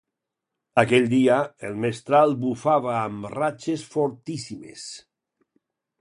Aquell dia, el mestral bufava amb ratxes fortíssimes.